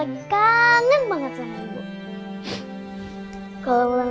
dibangun dulu ya pak ya